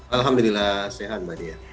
alhamdulillah sehat mbak dia